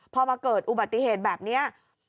พอมาเกิดอุบัติเหตุแบบนี้